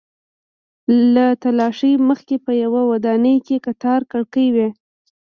له تالاشۍ مخکې په یوې ودانۍ کې کتار کړکۍ وې.